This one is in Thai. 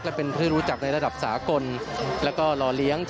และก็มีการกินยาละลายริ่มเลือดแล้วก็ยาละลายขายมันมาเลยตลอดครับ